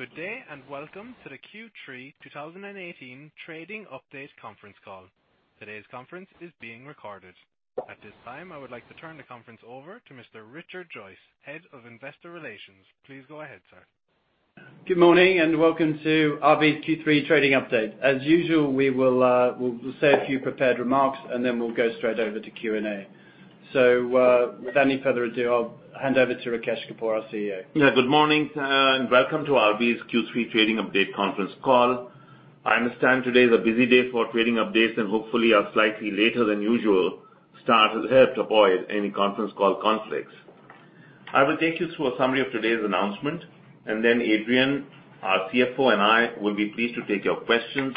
Good day, welcome to the Q3 2018 Trading Update Conference Call. Today's conference is being recorded. At this time, I would like to turn the conference over to Mr. Richard Joyce, Head of Investor Relations. Please go ahead, sir. Good morning, and welcome to RB's Q3 trading update. As usual, we'll say a few prepared remarks, and then we'll go straight over to Q&A. Without any further ado, I'll hand over to Rakesh Kapoor, our CEO. Good morning, and welcome to RB's Q3 trading update conference call. I understand today is a busy day for trading updates, and hopefully our slightly later than usual start has helped avoid any conference call conflicts. I will take you through a summary of today's announcement, and then Adrian, our CFO, and I will be pleased to take your questions.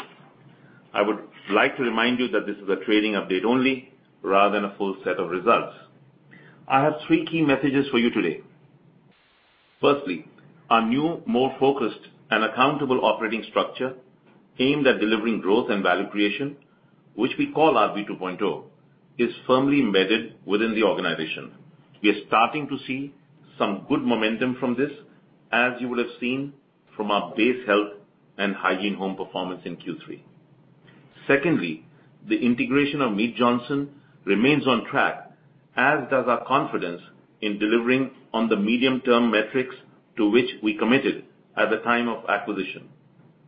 I would like to remind you that this is a trading update only rather than a full set of results. I have three key messages for you today. Firstly, our new, more focused and accountable operating structure aimed at delivering growth and value creation, which we call RB 2.0, is firmly embedded within the organization. We are starting to see some good momentum from this, as you would have seen from our base Health and Hygiene Home performance in Q3. Secondly, the integration of Mead Johnson remains on track, as does our confidence in delivering on the medium-term metrics to which we committed at the time of acquisition.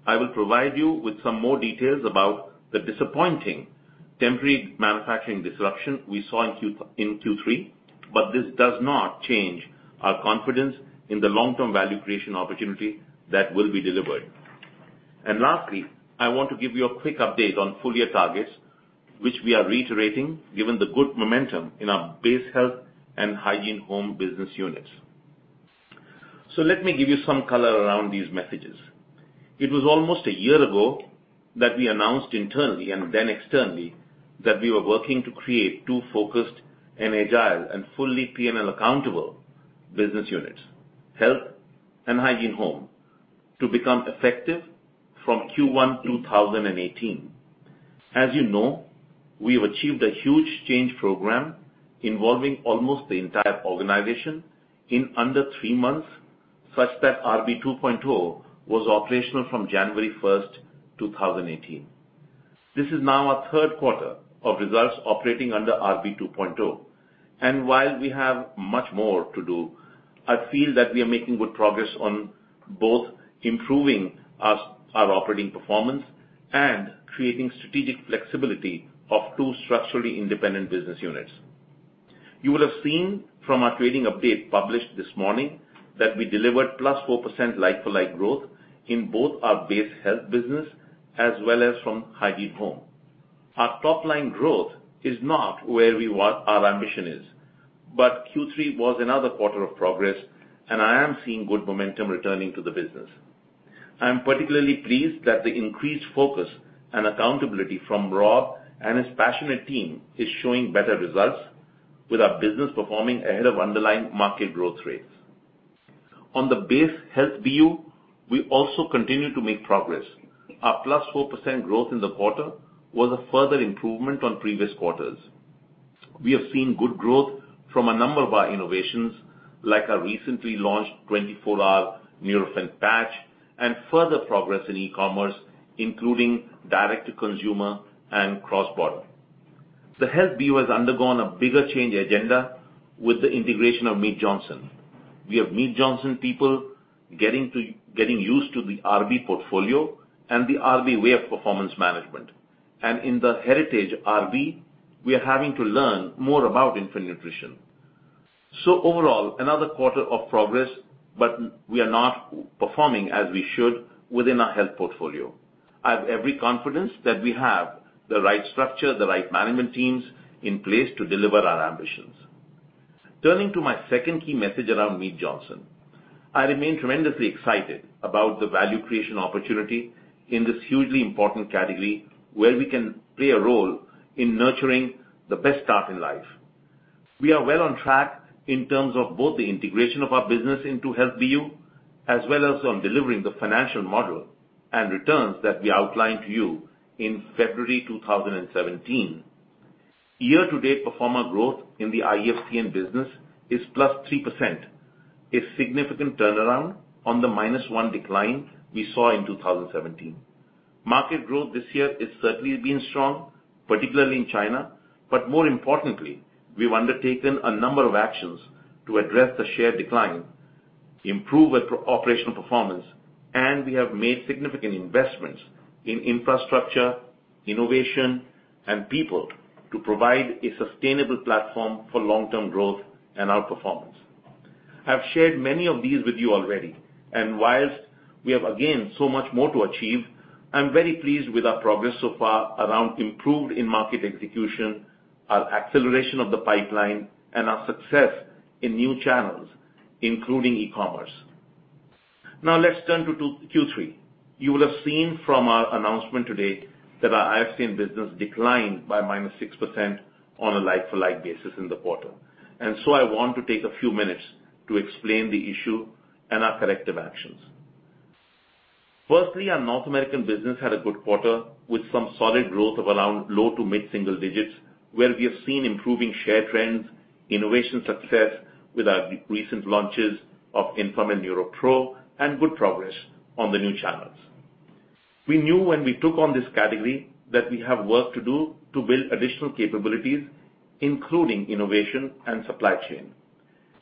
I will provide you with some more details about the disappointing temporary manufacturing disruption we saw in Q3, this does not change our confidence in the long-term value creation opportunity that will be delivered. Lastly, I want to give you a quick update on full-year targets, which we are reiterating given the good momentum in our base Health and Hygiene Home business units. Let me give you some color around these messages. It was almost a year ago that we announced internally and then externally that we were working to create two focused and agile and fully P&L accountable business units, Health and Hygiene Home, to become effective from Q1 2018. As you know, we have achieved a huge change program involving almost the entire organization in under three months, such that RB 2.0 was operational from January 1st, 2018. This is now our third quarter of results operating under RB 2.0. While we have much more to do, I feel that we are making good progress on both improving our operating performance and creating strategic flexibility of two structurally independent business units. You will have seen from our trading update published this morning that we delivered +4% like-for-like growth in both our base Health business as well as from Hygiene Home. Our top-line growth is not where our ambition is, but Q3 was another quarter of progress, and I am seeing good momentum returning to the business. I am particularly pleased that the increased focus and accountability from Rob and his passionate team is showing better results with our business performing ahead of underlying market growth rates. On the base Health BU, we also continue to make progress. Our +4% growth in the quarter was a further improvement on previous quarters. We have seen good growth from a number of our innovations, like our recently launched 24-hour Nurofen patch and further progress in e-commerce, including direct-to-consumer and cross-border. The Health BU has undergone a bigger change agenda with the integration of Mead Johnson. We have Mead Johnson people getting used to the RB portfolio and the RB way of performance management. In the heritage RB, we are having to learn more about infant nutrition. Overall, another quarter of progress, but we are not performing as we should within our Health portfolio. I have every confidence that we have the right structure, the right management teams in place to deliver our ambitions. Turning to my second key message around Mead Johnson, I remain tremendously excited about the value creation opportunity in this hugely important category where we can play a role in nurturing the best start in life. We are well on track in terms of both the integration of our business into Health BU, as well as on delivering the financial model and returns that we outlined to you in February 2017. Year-to-date pro forma growth in the IFCN business is +3%, a significant turnaround on the -1% decline we saw in 2017. Market growth this year has certainly been strong, particularly in China, but more importantly, we've undertaken a number of actions to address the share decline, improve operational performance, and we have made significant investments in infrastructure, innovation, and people to provide a sustainable platform for long-term growth and outperformance. I've shared many of these with you already, whilst we have, again, so much more to achieve, I'm very pleased with our progress so far around improved in-market execution, our acceleration of the pipeline, and our success in new channels, including e-commerce. Let's turn to Q3. You will have seen from our announcement today that our IFCN business declined by -6% on a like-for-like basis in the quarter. I want to take a few minutes to explain the issue and our corrective actions. Our North American business had a good quarter with some solid growth of around low to mid-single digits, where we have seen improving share trends, innovation success with our recent launches of Enfamil NeuroPro, and good progress on the new channels. We knew when we took on this category that we have work to do to build additional capabilities, including innovation and supply chain.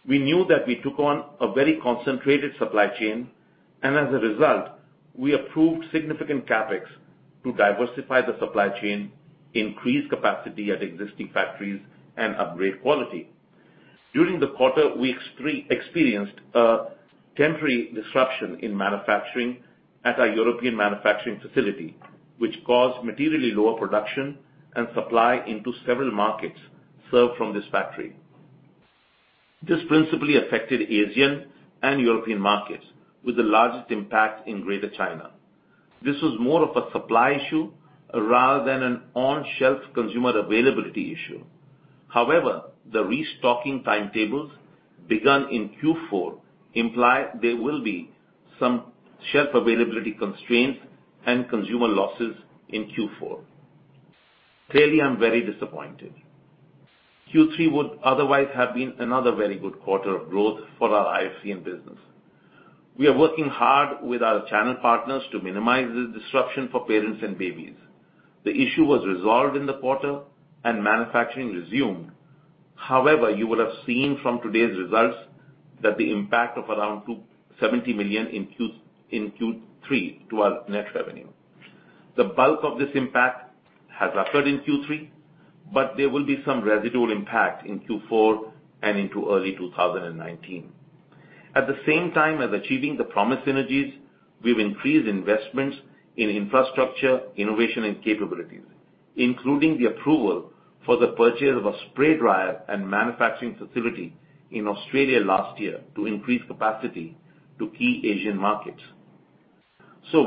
We knew that we took on a very concentrated supply chain, and as a result, we approved significant CapEx to diversify the supply chain, increase capacity at existing factories, and upgrade quality. During the quarter, we experienced a temporary disruption in manufacturing at our European manufacturing facility, which caused materially lower production and supply into several markets served from this factory. This principally affected Asian and European markets, with the largest impact in Greater China. This was more of a supply issue rather than an on-shelf consumer availability issue. The restocking timetables begun in Q4 imply there will be some shelf availability constraints and consumer losses in Q4. Clearly, I'm very disappointed. Q3 would otherwise have been another very good quarter of growth for our IFCN business. We are working hard with our channel partners to minimize this disruption for parents and babies. The issue was resolved in the quarter and manufacturing resumed. You will have seen from today's results that the impact of around 70 million in Q3 to our net revenue. The bulk of this impact has occurred in Q3, but there will be some residual impact in Q4 and into early 2019. At the same time as achieving the promised synergies, we've increased investments in infrastructure, innovation, and capabilities, including the approval for the purchase of a spray dryer and manufacturing facility in Australia last year to increase capacity to key Asian markets.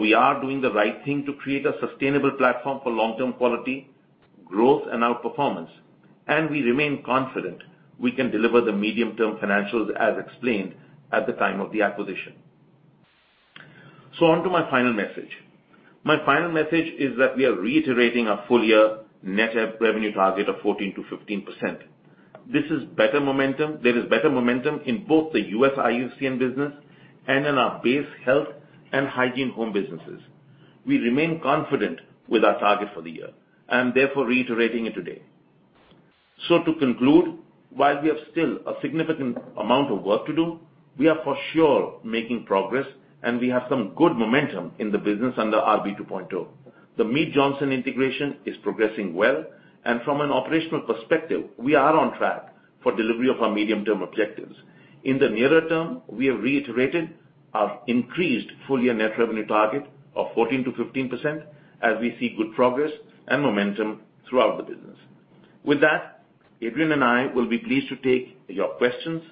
We are doing the right thing to create a sustainable platform for long-term quality, growth, and outperformance, and we remain confident we can deliver the medium-term financials as explained at the time of the acquisition. Onto my final message. My final message is that we are reiterating our full-year net revenue target of 14%-15%. There is better momentum in both the U.S. IFCN business and in our base Health and Hygiene Home businesses. We remain confident with our target for the year, and therefore reiterating it today. To conclude, while we have still a significant amount of work to do, we are for sure making progress, and we have some good momentum in the business under RB 2.0. The Mead Johnson integration is progressing well, and from an operational perspective, we are on track for delivery of our medium-term objectives. In the nearer term, we have reiterated our increased full-year net revenue target of 14%-15%, as we see good progress and momentum throughout the business. With that, Adrian and I will be pleased to take your questions.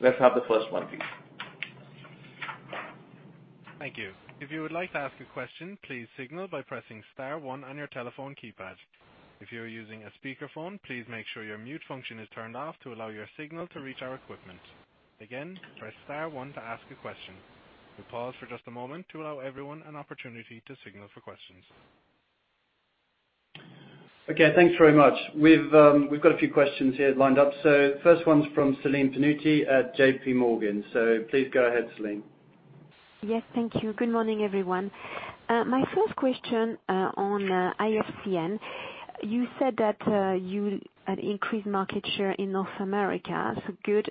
Let's have the first one, please. Thank you. If you would like to ask a question, please signal by pressing star one on your telephone keypad. If you are using a speakerphone, please make sure your mute function is turned off to allow your signal to reach our equipment. Again, press star one to ask a question. We'll pause for just a moment to allow everyone an opportunity to signal for questions. Okay, thanks very much. We've got a few questions here lined up. First one's from Celine Pannuti at JPMorgan. Please go ahead, Celine. Yes, thank you. Good morning, everyone. My first question on IFCN. You said that you had increased market share in North America, so good,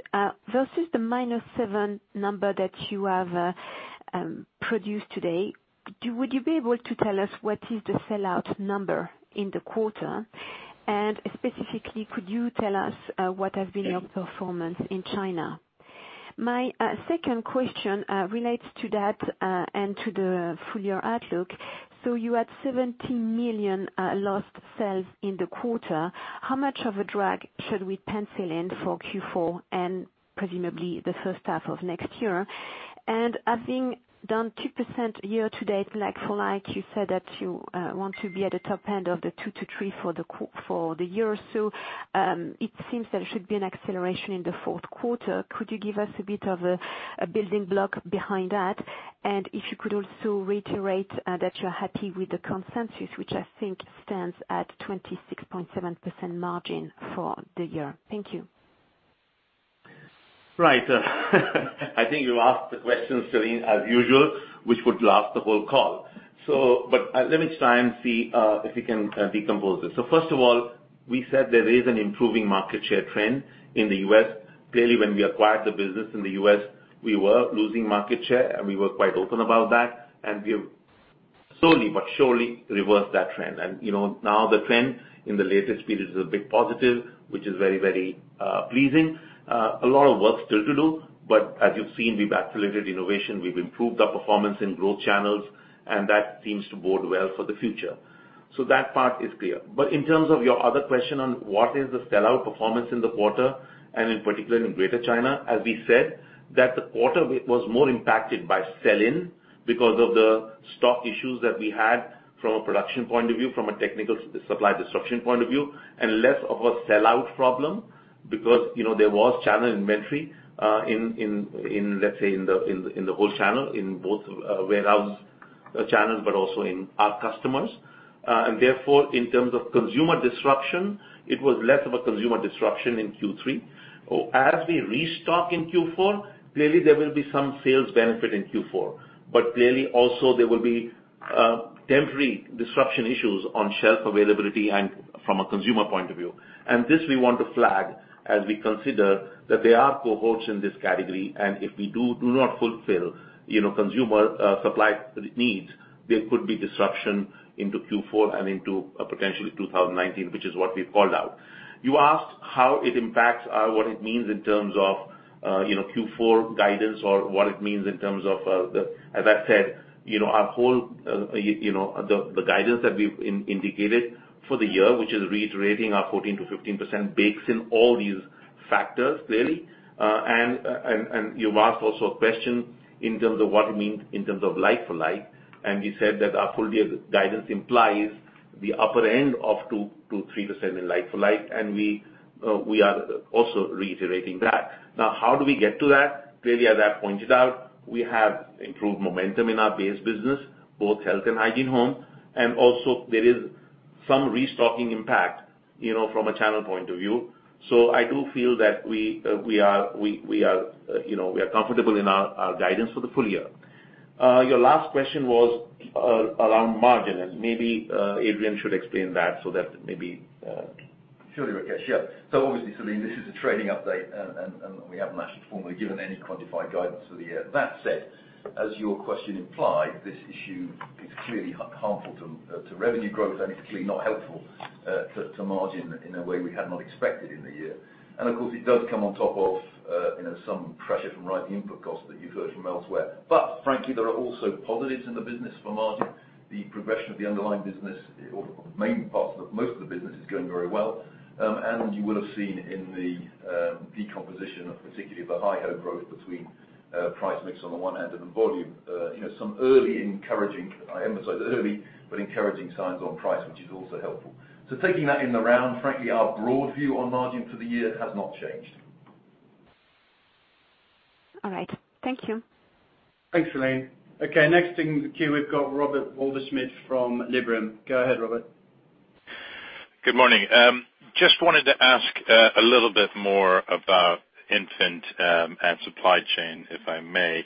versus the minus seven number that you have produced today. Would you be able to tell us what is the sellout number in the quarter? And specifically, could you tell us what has been your performance in China? My second question relates to that and to the full-year outlook. You had 70 million lost sales in the quarter. How much of a drag should we pencil in for Q4 and presumably the first half of next year? And having done 2% year to date like-for-like, you said that you want to be at the top end of the two to three for the year. It seems there should be an acceleration in the fourth quarter. Could you give us a bit of a building block behind that? If you could also reiterate that you're happy with the consensus, which I think stands at 26.7% margin for the year. Thank you. Right. I think you asked the questions, Celine, as usual, which would last the whole call. Let me try and see if we can decompose it. First of all, we said there is an improving market share trend in the U.S. Clearly, when we acquired the business in the U.S., we were losing market share, and we were quite open about that, and we have slowly but surely reversed that trend. Now the trend in the latest period is a bit positive, which is very pleasing. A lot of work still to do, but as you've seen, we've accelerated innovation, we've improved our performance in growth channels, and that seems to bode well for the future. That part is clear. In terms of your other question on what is the sellout performance in the quarter, and in particular in Greater China, as we said, that the quarter was more impacted by sell-in because of the stock issues that we had from a production point of view, from a technical supply disruption point of view, and less of a sellout problem. Because there was channel inventory, let's say, in the whole channel, in both warehouse channels, but also in our customers. Therefore, in terms of consumer disruption, it was less of a consumer disruption in Q3. As we restock in Q4, clearly there will be some sales benefit in Q4. Clearly also there will be temporary disruption issues on shelf availability and from a consumer point of view. This we want to flag as we consider that there are cohorts in this category, and if we do not fulfill consumer supply needs, there could be disruption into Q4 and into potentially 2019, which is what we've called out. You asked how it impacts our, what it means in terms of Q4 guidance or what it means in terms of the, as I said, the guidance that we've indicated for the year, which is reiterating our 14%-15% bakes in all these factors clearly. You asked also a question in terms of what it means in terms of like-for-like, and we said that our full year guidance implies the upper end of 2%-3% in like-for-like, and we are also reiterating that. How do we get to that? Clearly, as I pointed out, we have improved momentum in our base business, both Health and Hygiene Home. Also there is some restocking impact from a channel point of view. I do feel that we are comfortable in our guidance for the full year. Your last question was around margin, and maybe Adrian should explain that so that maybe- Surely, Rakesh. Yeah. Obviously, Celine, this is a trading update, we haven't actually formally given any quantified guidance for the year. That said, as your question implied, this issue is clearly harmful to revenue growth, it's clearly not helpful to margin in a way we had not expected in the year. Of course, it does come on top of some pressure from rising input costs that you've heard from elsewhere. Frankly, there are also positives in the business for margin. The progression of the underlying business, or the main part of most of the business is going very well. You will have seen in the decomposition of particularly the HyHo growth between price mix on the one hand and volume. Some early encouraging, I emphasize early, but encouraging signs on price, which is also helpful. Taking that in the round, frankly, our broad view on margin for the year has not changed. All right. Thank you. Thanks, Celine. Okay, next in the queue, we've got Robert Waldschmidt from Liberum. Go ahead, Robert. Good morning. Just wanted to ask a little bit more about infant and supply chain, if I may.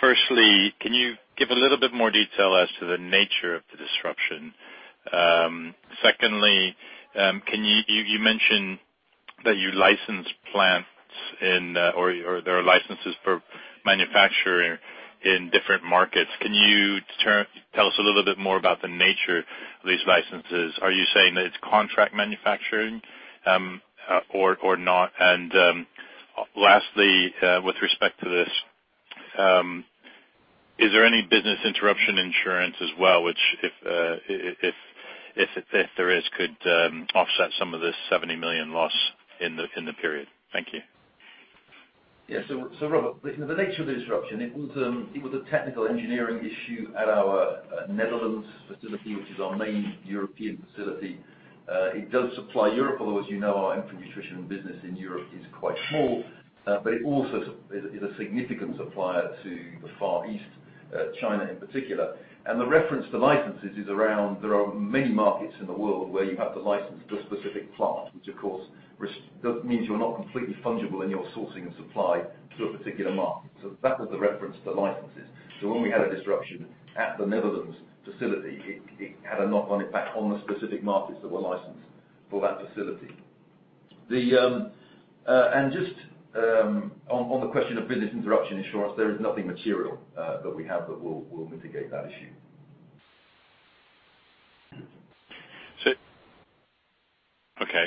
Firstly, can you give a little bit more detail as to the nature of the disruption? Secondly, you mentioned that you license plants or there are licenses for manufacturing in different markets. Can you tell us a little bit more about the nature of these licenses? Are you saying that it's contract manufacturing or not? Lastly, with respect to this, is there any business interruption insurance as well, which if there is, could offset some of the 70 million loss in the period? Thank you. Robert, the nature of the disruption, it was a technical engineering issue at our Netherlands facility, which is our main European facility. It does supply Europe, although as you know, our infant nutrition business in Europe is quite small. It also is a significant supplier to the Far East, China in particular. The reference to licenses is around there are many markets in the world where you have to license a specific plant, which of course means you're not completely fungible in your sourcing of supply to a particular market. That was the reference to licenses. When we had a disruption at the Netherlands facility, it had a knock on effect on the specific markets that were licensed for that facility. Just on the question of business interruption insurance, there is nothing material that we have that will mitigate that issue. Okay.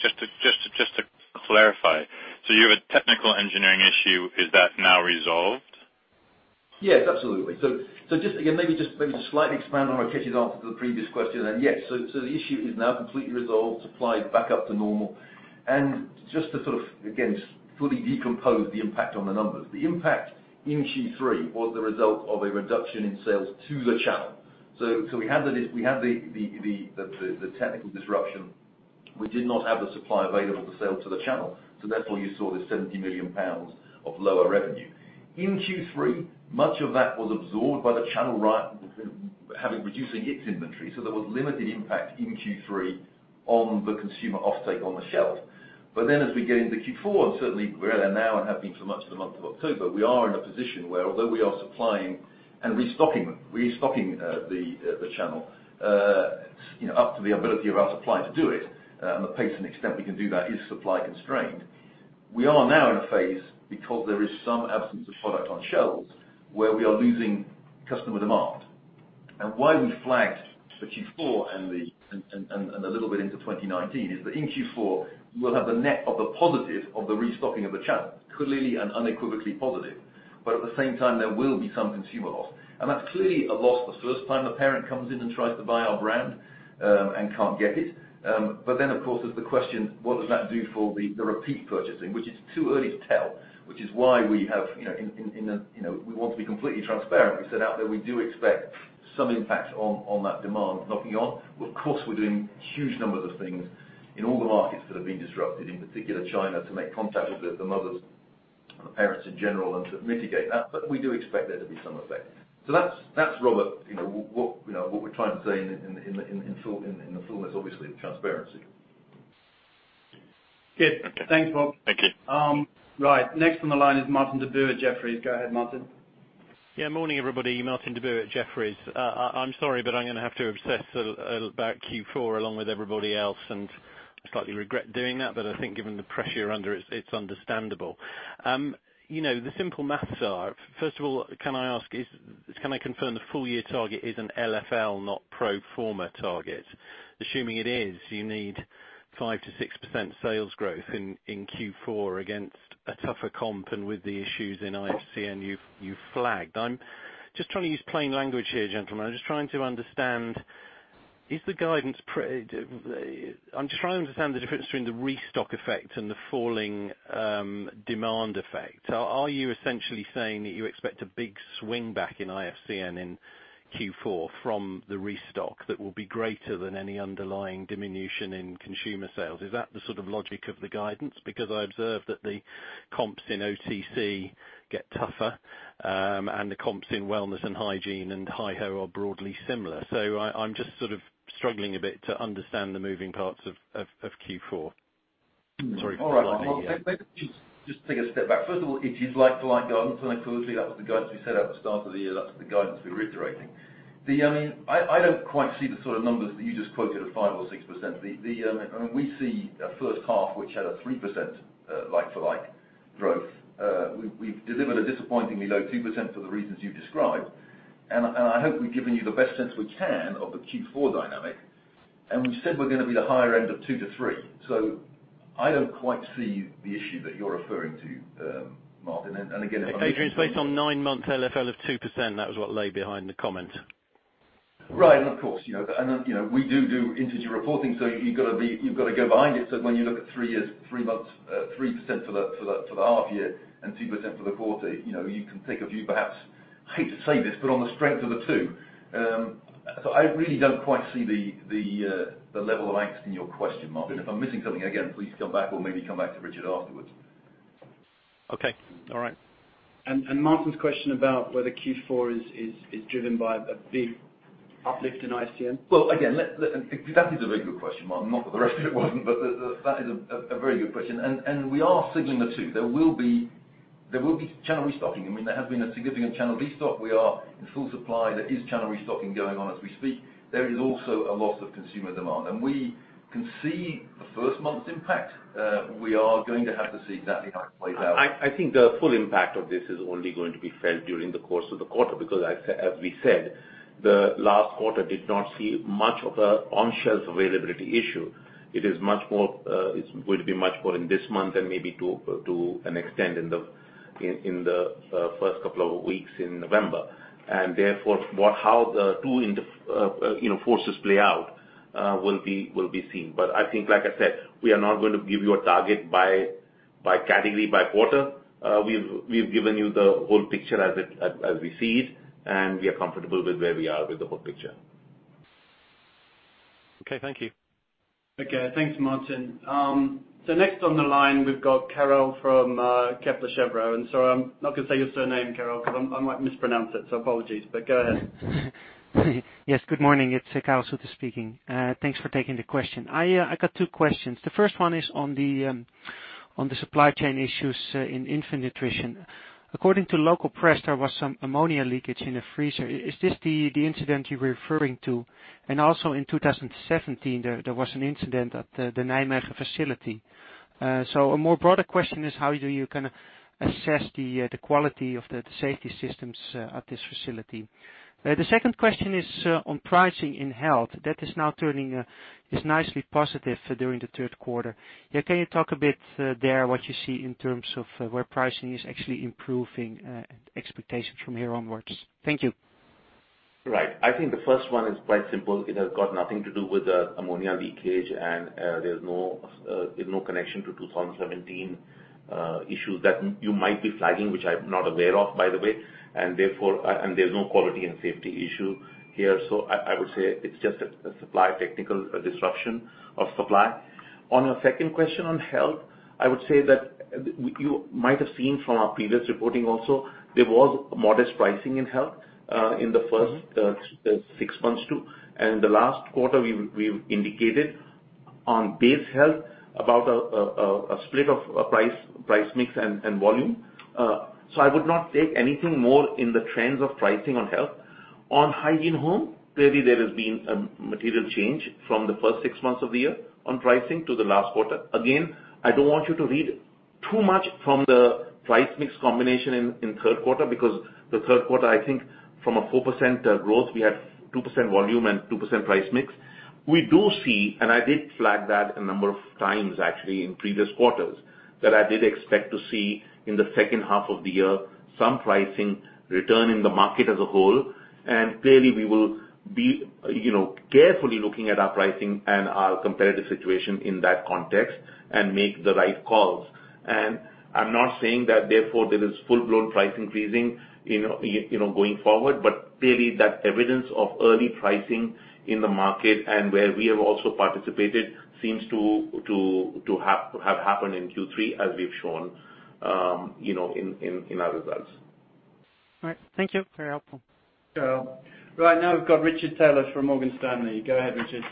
Just to clarify, you have a technical engineering issue. Is that now resolved? Yes, absolutely. Just again, maybe just slightly expand on Rakesh's answer to the previous question and yes. The issue is now completely resolved, supply back up to normal. Just to sort of, again, fully decompose the impact on the numbers. The impact in Q3 was the result of a reduction in sales to the channel. We had the technical disruption. We did not have the supply available to sell to the channel. Therefore, you saw the 70 million pounds of lower revenue. In Q3, much of that was absorbed by the channel reducing its inventory. There was limited impact in Q3 on the consumer offtake on the shelf. As we get into Q4, certainly we're there now and have been for much of the month of October, we are in a position where although we are supplying and restocking the channel, up to the ability of our supply to do it, and the pace and extent we can do that is supply constrained. We are now in a phase because there is some absence of product on shelves, where we are losing customer demand. Why we flagged for Q4 and a little bit into 2019 is that in Q4, we'll have the net of the positive of the restocking of the channel, clearly and unequivocally positive. At the same time, there will be some consumer loss. That's clearly a loss the first time a parent comes in and tries to buy our brand and can't get it. Of course, there's the question, what does that do for the repeat purchasing? Which is too early to tell, which is why we want to be completely transparent. We set out that we do expect some impact on that demand knocking on. Of course, we're doing huge numbers of things in all the markets that have been disrupted, in particular China, to make contact with the mothers and parents in general and to mitigate that, but we do expect there to be some effect. That's, Robert, what we're trying to say in the fullness, obviously, of transparency. Good. Thanks, Rob. Thank you. Right. Next on the line is Martin Deboo at Jefferies. Go ahead, Martin. Yeah, morning, everybody. Martin Deboo at Jefferies. I'm sorry, and I slightly regret doing that. But I think given the pressure you're under, it's understandable. The simple maths are, first of all, can I confirm the full year target is an LFL, not pro forma target? Assuming it is, you need 5%-6% sales growth in Q4 against a tougher comp and with the issues in IFCN you flagged. I'm just trying to use plain language here, gentlemen. I'm just trying to understand the difference between the restock effect and the falling demand effect. Are you essentially saying that you expect a big swing back in IFCN in Q4 from the restock that will be greater than any underlying diminution in consumer sales? Is that the sort of logic of the guidance? I observe that the comps in OTC get tougher, and the comps in wellness and hygiene and HyHo are broadly similar. I'm just sort of struggling a bit to understand the moving parts of Q4. Sorry for- All right. Maybe just take a step back. First of all, it is like-to-like guidance, and clearly that was the guidance we set at the start of the year. That's the guidance we're reiterating. I don't quite see the sort of numbers that you just quoted of 5% or 6%. We see a first half which had a 3% like-to-like growth. We've delivered a disappointingly low 2% for the reasons you described, and I hope we've given you the best sense we can of the Q4 dynamic. We've said we're going to be at the higher end of 2%-3%. I don't quite see the issue that you're referring to, Martin. Again, if I- Adrian, it is based on nine months LFL of 2%. That was what lay behind the comment. Right. Of course, we do integer reporting, you've got to go behind it. When you look at three years, three months, 3% for the half year and 2% for the quarter, you can take a view, perhaps, I hate to say this, but on the strength of the two. I really don't quite see the level of angst in your question, Martin. If I'm missing something, again, please come back or maybe come back to Richard afterwards. Okay. All right. Martin's question about whether Q4 is driven by a big uplift in IFCN. Well, again, that is a very good question, Martin. Not that the rest of it wasn't, that is a very good question. We are signaling the two. There will be channel restocking. There has been a significant channel restock. We are in full supply. There is channel restocking going on as we speak. There is also a loss of consumer demand. We can see the first month's impact. We are going to have to see exactly how it plays out. I think the full impact of this is only going to be felt during the course of the quarter because as we said, the last quarter did not see much of a on-shelves availability issue. It's going to be much more in this month and maybe to an extent in the first couple of weeks in November. Therefore, how the two forces play out will be seen. I think, like I said, we are not going to give you a target by category, by quarter. We've given you the whole picture as we see it, and we are comfortable with where we are with the whole picture. Okay. Thank you. Okay. Thanks, Martin. Next on the line, we've got Karel from Kepler Cheuvreux. I'm not going to say your surname, Karel, because I might mispronounce it. Apologies. Go ahead. Yes. Good morning. It's Karel Zoete speaking. Thanks for taking the question. I got two questions. The first one is on the supply chain issues in infant nutrition. According to local press, there was some ammonia leakage in a freezer. Is this the incident you're referring to? And also in 2017, there was an incident at the Nijmegen facility. A more broader question is how do you kind of assess the quality of the safety systems at this facility? The second question is on pricing in Health. That is nicely positive during the third quarter. Can you talk a bit there what you see in terms of where pricing is actually improving expectations from here onwards? Thank you. Right. I think the first one is quite simple. It has got nothing to do with the ammonia leakage, there's no connection to 2017 issues that you might be flagging, which I'm not aware of, by the way. There's no quality and safety issue here. I would say it's just a supply technical disruption of supply. On your second question on Health, I would say that you might have seen from our previous reporting also, there was modest pricing in Health in the first six months too. The last quarter, we've indicated on base Health about a split of price mix and volume. I would not take anything more in the trends of pricing on Health. On Hygiene Home, clearly there has been a material change from the first six months of the year on pricing to the last quarter. Again, I don't want you to read too much from the price mix combination in third quarter because the third quarter, I think from a 4% growth, we had 2% volume and 2% price mix. We do see, I did flag that a number of times actually in previous quarters, that I did expect to see in the second half of the year some pricing return in the market as a whole. Clearly we will be carefully looking at our pricing and our competitive situation in that context and make the right calls. I'm not saying that therefore there is full-blown price increasing going forward, but clearly that evidence of early pricing in the market and where we have also participated seems to have happened in Q3 as we've shown in our results. All right. Thank you. Very helpful. Sure. Right. Now we've got Richard Taylor from Morgan Stanley. Go ahead, Richard.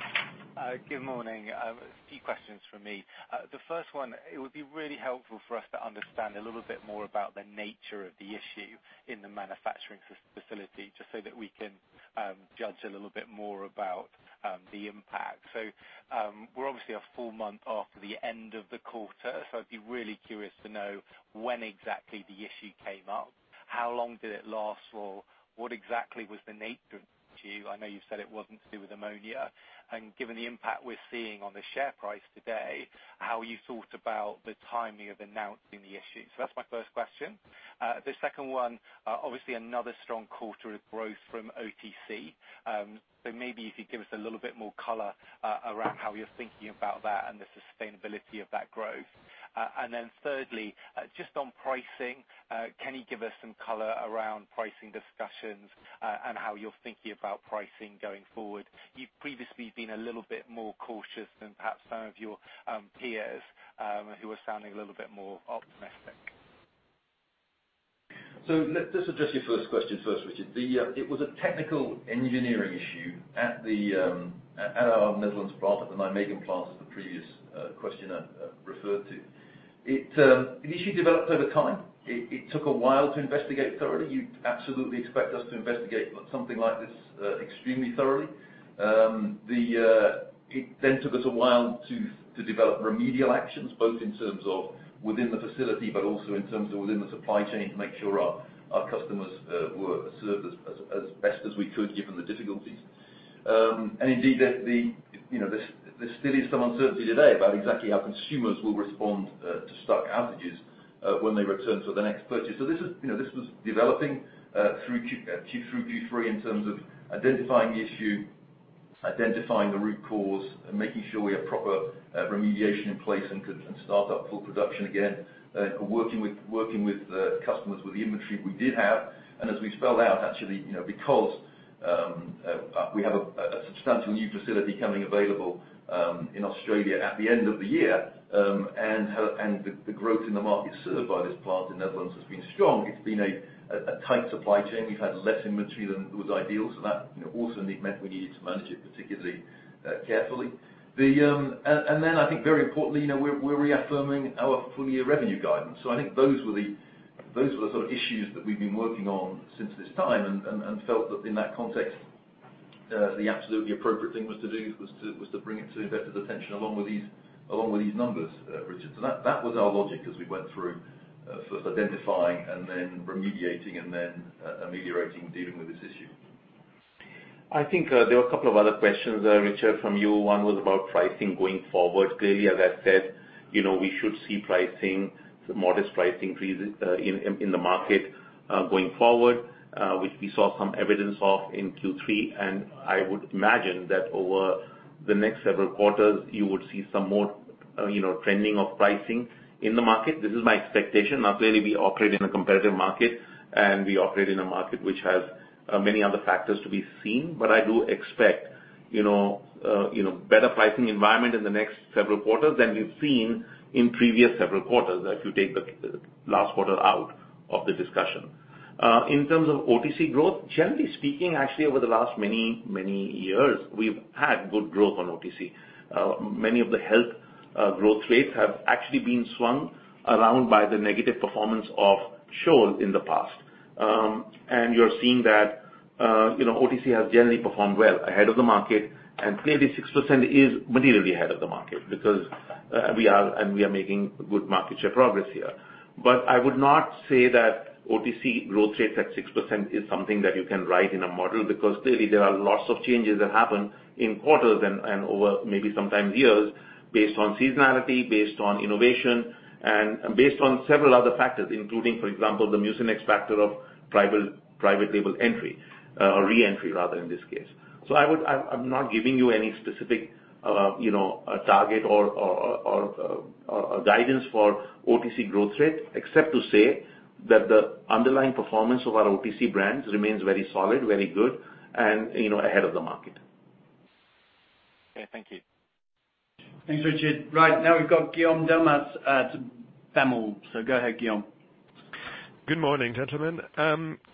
Good morning. A few questions from me. The first one, it would be really helpful for us to understand a little bit more about the nature of the issue in the manufacturing facility, just so that we can judge a little bit more about the impact. We're obviously a full month after the end of the quarter, so I'd be really curious to know when exactly the issue came up. How long did it last, or what exactly was the nature of the issue? I know you said it wasn't to do with ammonia. Given the impact we're seeing on the share price today, how you thought about the timing of announcing the issue. That's my first question. The second one, obviously another strong quarter of growth from OTC. Maybe if you give us a little bit more color around how you're thinking about that and the sustainability of that growth. Thirdly, just on pricing, can you give us some color around pricing discussions, and how you're thinking about pricing going forward? You've previously been a little bit more cautious than perhaps some of your peers, who are sounding a little bit more optimistic. Let's address your first question first, Richard. It was a technical engineering issue at our Netherlands plant, at the Nijmegen plant, as the previous questioner referred to. The issue developed over time. It took a while to investigate thoroughly. You'd absolutely expect us to investigate something like this extremely thoroughly. It then took us a while to develop remedial actions, both in terms of within the facility, but also in terms of within the supply chain to make sure our customers were served as best as we could, given the difficulties. Indeed, there still is some uncertainty today about exactly how consumers will respond to stock outages when they return for their next purchase. This was developing through Q3 in terms of identifying the issue, identifying the root cause and making sure we have proper remediation in place and can start up full production again, and working with customers with the inventory we did have. As we spelled out actually, because we have a substantial new facility coming available in Australia at the end of the year. The growth in the market served by this plant in Netherlands has been strong. It's been a tight supply chain. We've had less inventory than was ideal, so that also meant we needed to manage it particularly carefully. I think very importantly, we're reaffirming our full-year revenue guidance. I think those were the sort of issues that we've been working on since this time and felt that in that context, the absolutely appropriate thing was to bring it to investors' attention along with these numbers, Richard. That was our logic as we went through first identifying and then remediating and then ameliorating, dealing with this issue. I think there were a couple of other questions, Richard, from you. One was about pricing going forward. Clearly, as I said, we should see modest price increases in the market going forward, which we saw some evidence of in Q3, and I would imagine that over the next several quarters, you would see some more trending of pricing in the market. This is my expectation. Clearly, we operate in a competitive market, and we operate in a market which has many other factors to be seen. I do expect better pricing environment in the next several quarters than we've seen in previous several quarters if you take the last quarter out of the discussion. In terms of OTC growth, generally speaking, actually over the last many years, we've had good growth on OTC. Many of the Health growth rates have actually been swung around by the negative performance of Scholl in the past. You're seeing that OTC has generally performed well ahead of the market, and clearly 6% is materially ahead of the market because we are making good market share progress here. I would not say that OTC growth rates at 6% is something that you can write in a model because clearly there are lots of changes that happen in quarters and over maybe sometimes years based on seasonality, based on innovation, and based on several other factors including, for example, the Mucinex factor of private label entry or reentry rather in this case. I'm not giving you any specific target or guidance for OTC growth rate except to say that the underlying performance of our OTC brands remains very solid, very good and ahead of the market. Okay. Thank you. Thanks, Richard. Right. Now we've got Guillaume Delmas at BAML. Go ahead, Guillaume. Good morning, gentlemen.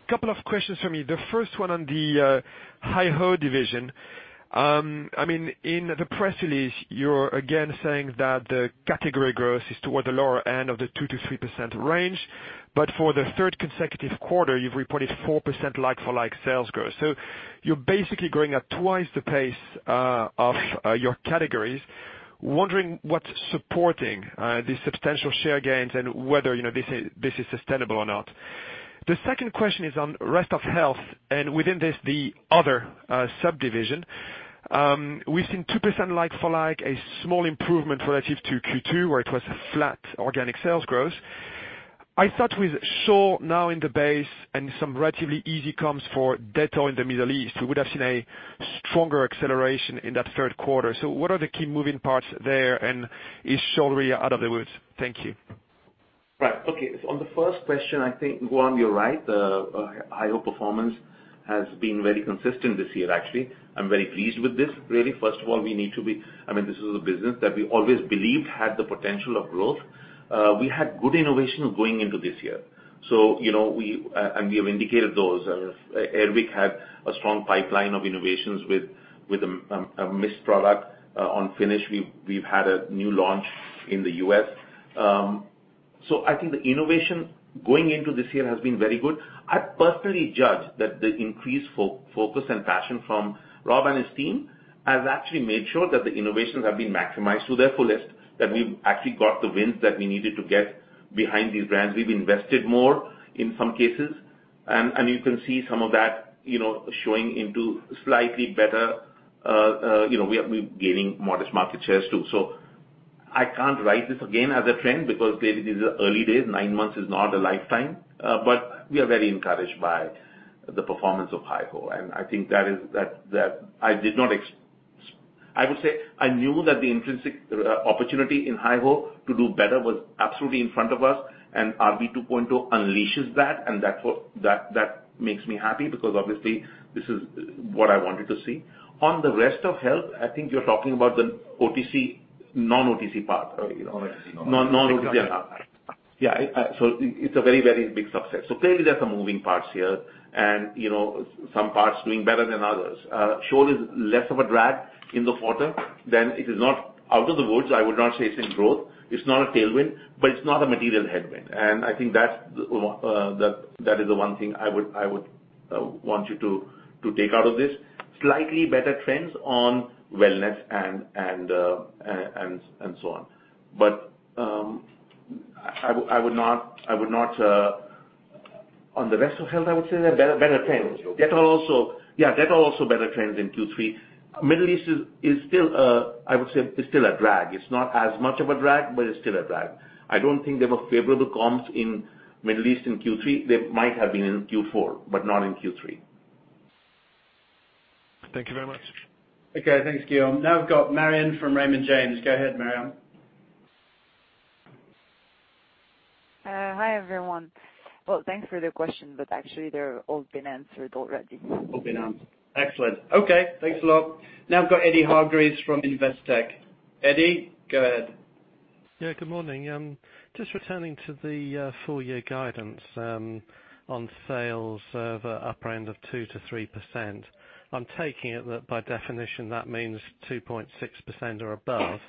Couple of questions from me. The first one on the HyHo division. In the press release, you're again saying that the category growth is toward the lower end of the 2%-3% range. For the third consecutive quarter, you've reported 4% like-for-like sales growth. You're basically growing at twice the pace of your categories. Wondering what's supporting these substantial share gains and whether this is sustainable or not. The second question is on rest of Health and within this, the other subdivision. We've seen 2% like-for-like, a small improvement relative to Q2, where it was flat organic sales growth. I thought with Scholl now in the base and some relatively easy comps for Dettol in the Middle East, we would have seen a stronger acceleration in that third quarter. What are the key moving parts there, and is Scholl really out of the woods? Thank you. Right. Okay. On the first question, I think, Guillaume, you're right. HyHo performance has been very consistent this year, actually. I'm very pleased with this, really. First of all, this is a business that we always believed had the potential of growth. We had good innovation going into this year. We have indicated those. Air Wick had a strong pipeline of innovations with a mist product. On Finish, we've had a new launch in the U.S. I think the innovation going into this year has been very good. I personally judge that the increased focus and passion from Rob and his team has actually made sure that the innovations have been maximized to their fullest, that we've actually got the wins that we needed to get behind these brands. We've invested more in some cases, you can see some of that showing into slightly better, we're gaining modest market shares, too. I can't write this again as a trend because clearly these are early days. Nine months is not a lifetime. We are very encouraged by the performance of HyHo, and I think that I did not, I would say I knew that the intrinsic opportunity in HyHo to do better was absolutely in front of us, and RB 2.0 unleashes that, and that makes me happy because obviously this is what I wanted to see. On the rest of Health, I think you're talking about the non-OTC part. Non-OTC. Non-OTC. Yeah. It's a very, very big success. Clearly, there are some moving parts here, and some parts doing better than others. Scholl is less of a drag in the quarter than it is not out of the woods. I would not say it's in growth. It's not a tailwind, but it's not a material headwind. I think that is the one thing I would want you to take out of this. Slightly better trends on wellness and so on. I would not on the rest of Health, I would say they're better trends. Okay. Yeah, better, also better trends in Q3. Middle East is still, I would say, is still a drag. It's not as much of a drag, but it's still a drag. I don't think they were favorable comps in Middle East in Q3. They might have been in Q4, but not in Q3. Thank you very much. Okay. Thanks, Guillaume. We've got Mariam from Raymond James. Go ahead, Mariam. Hi, everyone. Thanks for the question, actually, they're all been answered already. All been answered. Excellent. Okay. Thanks a lot. I've got Eddy Hargreaves from Investec. Eddy, go ahead. Good morning. Returning to the full year guidance on sales of upper end of 2%-3%. I am taking it that by definition, that means 2.6% or above.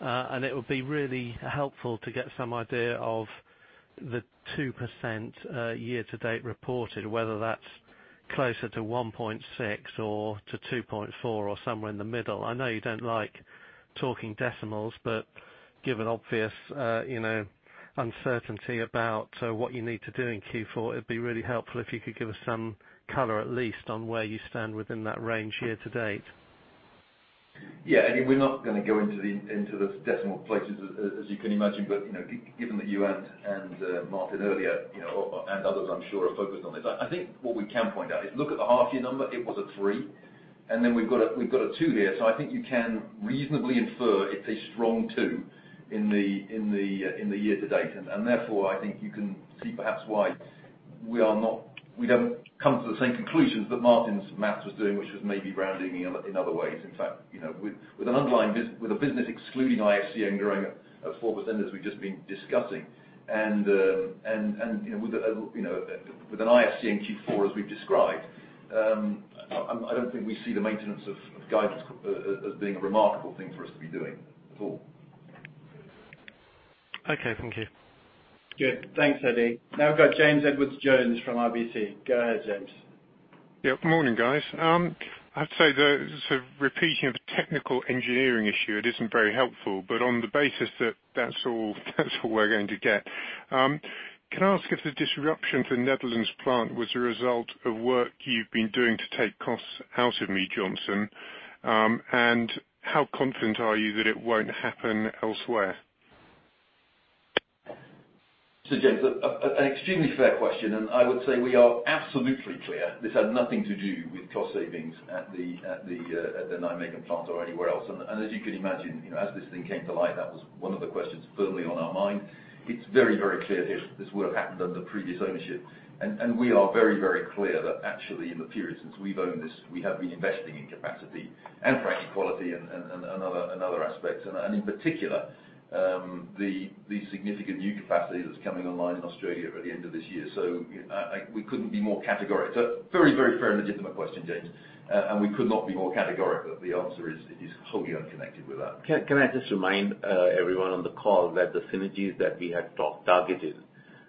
It would be really helpful to get some idea of the 2% year to date reported, whether that is closer to 1.6% or to 2.4% or somewhere in the middle. I know you do not like talking decimals, given obvious uncertainty about what you need to do in Q4, it would be really helpful if you could give us some color at least on where you stand within that range year to date. I mean, we are not going to go into the decimal places, as you can imagine. Given that you and Martin earlier, and others I am sure are focused on this. I think what we can point out is look at the half year number, it was a three, then we have got a two here. I think you can reasonably infer it is a strong two in the year to date. Therefore, I think you can see perhaps why we have not come to the same conclusions that Martin's maths was doing, which was maybe rounding in other ways. In fact, with a business excluding IFCN growing at 4% as we have just been discussing, with an IFCN in Q4 as we have described, I do not think we see the maintenance of guidance as being a remarkable thing for us to be doing at all. Okay. Thank you. Good. Thanks, Eddy. We have got James Edwardes Jones from RBC. Go ahead, James. Yeah. Good morning, guys. I have to say, the sort of repeating of the technical engineering issue, it isn't very helpful. On the basis that's all we're going to get, can I ask if the disruption to the Netherlands plant was a result of work you've been doing to take costs out of Mead Johnson? How confident are you that it won't happen elsewhere? James, an extremely fair question. I would say we are absolutely clear this had nothing to do with cost savings at the Nijmegen plant or anywhere else. As you can imagine, as this thing came to light, that was one of the questions firmly on our mind. It's very, very clear this would have happened under previous ownership. We are very, very clear that actually in the period since we've owned this, we have been investing in capacity and for actually quality and other aspects, and in particular, the significant new capacity that's coming online in Australia at the end of this year. We couldn't be more categoric. Very, very fair and legitimate question, James. We could not be more categoric that the answer is wholly unconnected with that. Can I just remind everyone on the call that the synergies that we had targeted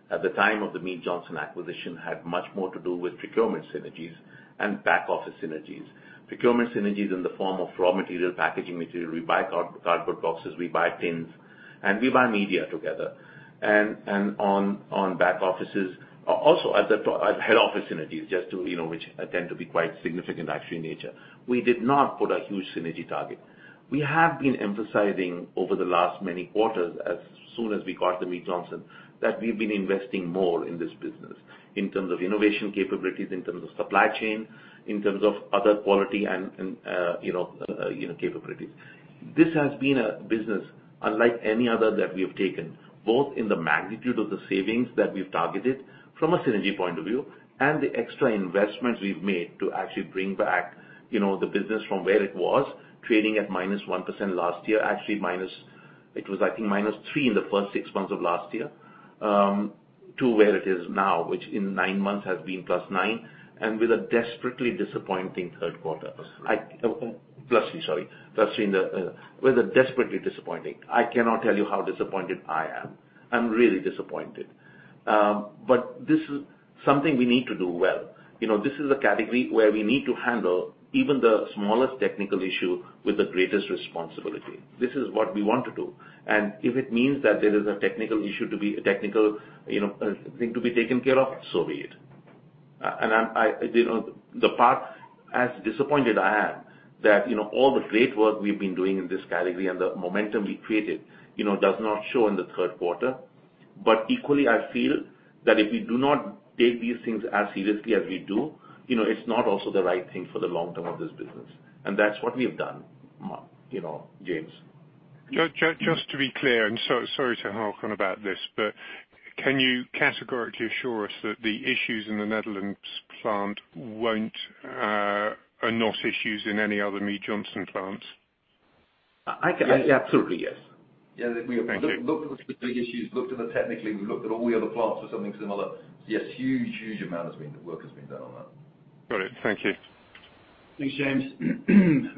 at the time of the Mead Johnson acquisition had much more to do with procurement synergies and back office synergies. Procurement synergies in the form of raw material, packaging material. We buy cardboard boxes, we buy tins, we buy media together. On back offices, also head office synergies, which tend to be quite significant actually in nature. We did not put a huge synergy target. We have been emphasizing over the last many quarters, as soon as we got the Mead Johnson, that we've been investing more in this business in terms of innovation capabilities, in terms of supply chain, in terms of other quality and capabilities. This has been a business unlike any other that we have taken, both in the magnitude of the savings that we've targeted from a synergy point of view and the extra investments we've made to actually bring back the business from where it was, trading at -1% last year, actually -3% in the first 6 months of last year, to where it is now, which in 9 months has been +9%, with a desperately disappointing third quarter. With a desperately disappointing. I cannot tell you how disappointed I am. I'm really disappointed. This is something we need to do well. This is a category where we need to handle even the smallest technical issue with the greatest responsibility. This is what we want to do. If it means that there is a technical thing to be taken care of, so be it. As disappointed I am that all the great work we've been doing in this category and the momentum we've created does not show in the third quarter, equally, I feel that if we do not take these things as seriously as we do, it's not also the right thing for the long term of this business. That's what we have done, James. Just to be clear, sorry to harp on about this, can you categorically assure us that the issues in the Netherlands plant are not issues in any other Mead Johnson plants? Absolutely yes. Thank you. We looked at the specific issues, looked at them technically. We looked at all the other plants for something similar. Yes, huge amount of work has been done on that. Got it. Thank you. Thanks, James.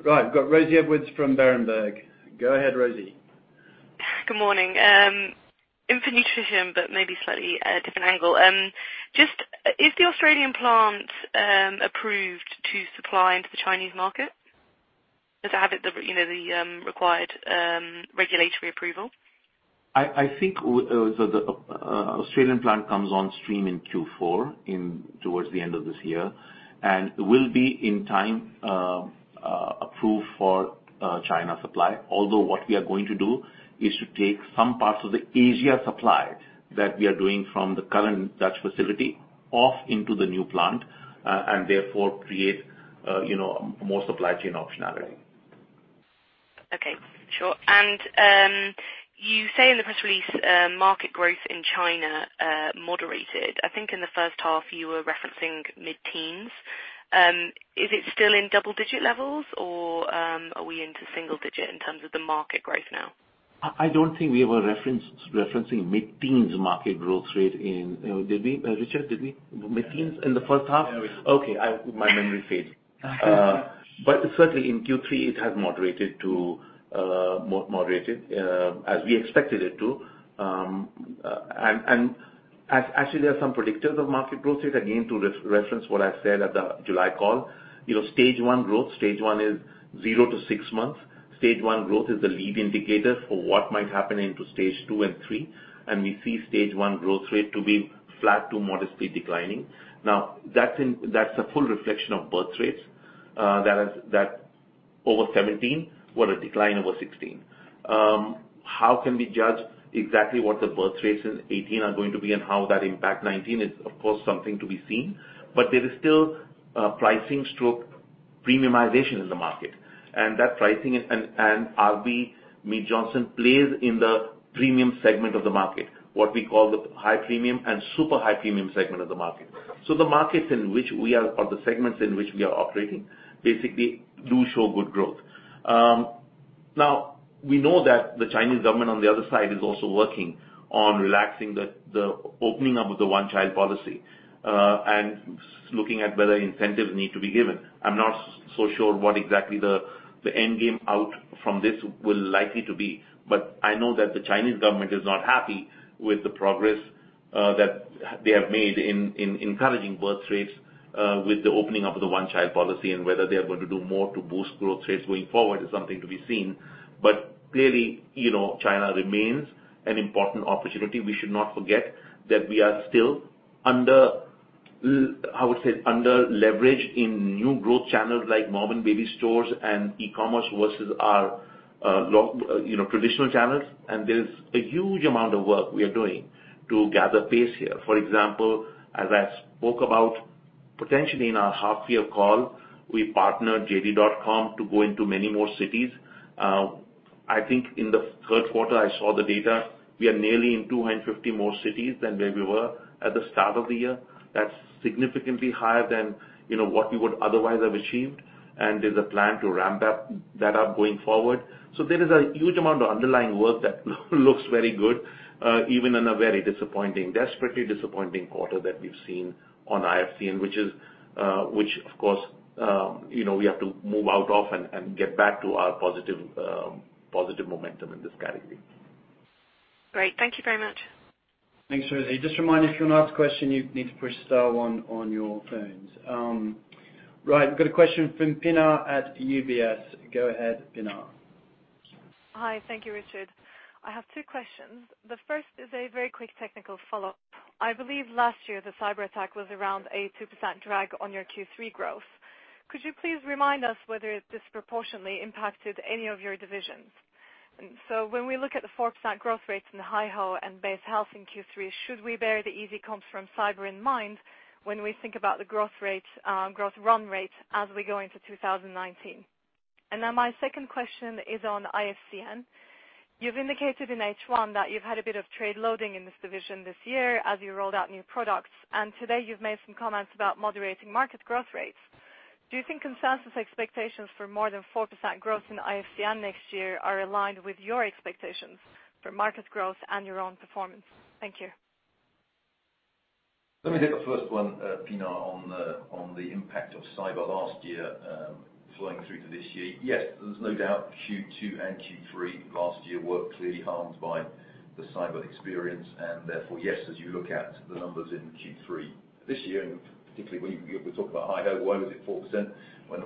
Right. We've got Rosie Edwards from Berenberg. Go ahead, Rosie. Good morning. infant nutrition, but maybe slightly a different angle. Is the Australian plant approved to supply into the Chinese market? Does it have the required regulatory approval? I think the Australian plant comes on stream in Q4, towards the end of this year, and will be, in time, approved for China supply. Although what we are going to do is to take some parts of the Asia supply that we are doing from the current Dutch facility off into the new plant, and therefore create more supply chain optionality. Okay, sure. You say in the press release market growth in China moderated. I think in the first half you were referencing mid-teens. Is it still in double-digit levels, or are we into single digit in terms of the market growth now? I don't think we were referencing mid-teens market growth rate in Did we? Richard, did we? Mid-teens in the first half? Yeah, we did. Okay. My memory fades. Okay. Certainly in Q3 it has moderated as we expected it to. Actually there are some predictors of market growth rate, again, to reference what I said at the July call. Stage 1 growth. Stage 1 is zero to six months. Stage 1 growth is the lead indicator for what might happen into Stage 2 and 3, and we see Stage 1 growth rate to be flat to modestly declining. That's a full reflection of birth rates that over 2017, were a decline over 2016. How can we judge exactly what the birthrates in 2018 are going to be and how that impacts 2019 is, of course, something to be seen, but there is still pricing/premiumization in the market. RB Mead Johnson plays in the premium segment of the market, what we call the high premium and super high premium segment of the market. The markets or the segments in which we are operating basically do show good growth. We know that the Chinese government on the other side is also working on relaxing the opening up of the one-child policy, and looking at whether incentives need to be given. I'm not so sure what exactly the end game out from this will likely to be, but I know that the Chinese government is not happy with the progress that they have made in encouraging birthrates with the opening up of the one-child policy, and whether they are going to do more to boost growth rates going forward is something to be seen. Clearly, China remains an important opportunity. We should not forget that we are still under, how to say, under leverage in new growth channels like mom and baby stores and e-commerce versus our traditional channels. There's a huge amount of work we are doing to gather pace here. For example, as I spoke about potentially in our half-year call, we partnered JD.com to go into many more cities. I think in the third quarter I saw the data. We are nearly in 250 more cities than where we were at the start of the year. That's significantly higher than what we would otherwise have achieved. There's a plan to ramp that up going forward. There is a huge amount of underlying work that looks very good even in a very desperately disappointing quarter that we've seen on IFCN, which of course, we have to move out of and get back to our positive momentum in this category. Great. Thank you very much. Thanks, Rosie. Just a reminder, if you want to ask a question, you need to push star one on your phones. Right. We've got a question from Pinar at UBS. Go ahead, Pinar. Hi. Thank you, Richard. I have two questions. The first is a very quick technical follow-up. I believe last year the cyberattack was around a 2% drag on your Q3 growth. Could you please remind us whether it disproportionately impacted any of your divisions? When we look at the 4% growth rates in the HyHo and Base Health in Q3, should we bear the easy comps from cyber in mind when we think about the growth run rate as we go into 2019? My second question is on IFCN. You've indicated in H1 that you've had a bit of trade loading in this division this year as you rolled out new products. Today you've made some comments about moderating market growth rates. Do you think consensus expectations for more than 4% growth in IFCN next year are aligned with your expectations for market growth and your own performance? Thank you. Let me take the first one, Pinar, on the impact of cyber last year flowing through to this year. There's no doubt Q2 and Q3 last year were clearly harmed by the cyber experience, and therefore, yes, as you look at the numbers in Q3 this year, and particularly when we talk about high growth, why was it 4% when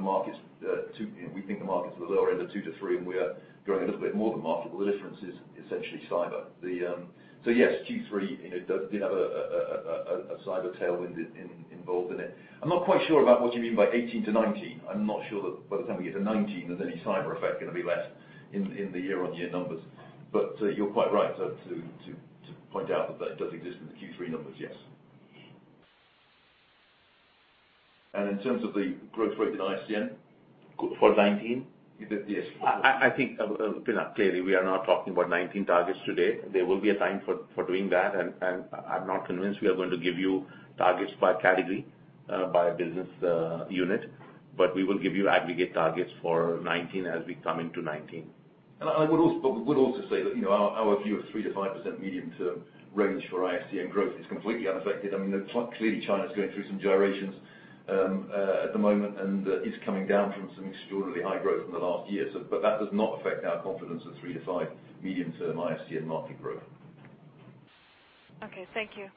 we think the markets are at the lower end of 2%-3%, and we are growing a little bit more than market? The difference is essentially cyber. Q3 did have a cyber tailwind involved in it. I'm not quite sure about what you mean by 2018 to 2019. I'm not sure that by the time we get to 2019, that any cyber effect going to be left in the year-on-year numbers. You're quite right to point out that that does exist in the Q3 numbers, yes. In terms of the growth rate in IFCN- For 2019? Yes. I think, Pinar, clearly, we are not talking about 2019 targets today. There will be a time for doing that, and I'm not convinced we are going to give you targets by category, by business unit. We will give you aggregate targets for 2019 as we come into 2019. I would also say that our view of 3%-5% medium-term range for IFCN growth is completely unaffected. Clearly, China's going through some gyrations at the moment and is coming down from some extraordinarily high growth in the last year. That does not affect our confidence of 3%-5% medium-term IFCN market growth. Okay. Thank you.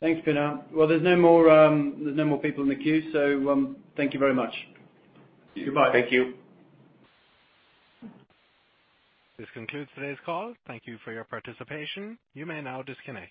Thanks, Pinar. Well, there's no more people in the queue, thank you very much. Goodbye. Thank you. This concludes today's call. Thank you for your participation. You may now disconnect.